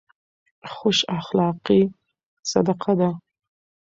خوش اخلاقي صدقه ده.